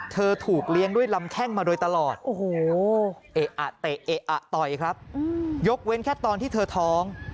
เธอถูกเลี้ยงด้วยลำแข้งมาโดยตลอดต่อยครับยกเว้นแค่ตอนที่เธอท้อง